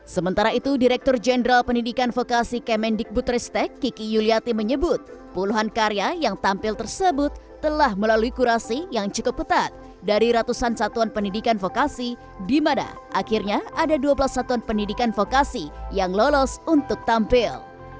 sementara itu direktur jenderal pendidikan vokasi kemendikbutristek kiki yuliati menyebut puluhan karya yang tampil tersebut telah melalui kurasi yang cukup ketat dari ratusan satuan pendidikan vokasi di mana akhirnya ada dua belas satuan pendidikan vokasi yang lolos untuk tampil